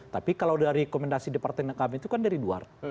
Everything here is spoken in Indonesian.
tapi kalau dari rekomendasi departemen kami itu kan dari luar